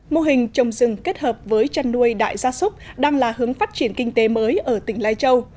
mô hình trồng rừng kết hợp với chăn nuôi đại gia súc đang là hướng phát triển kinh tế mới ở tỉnh lai châu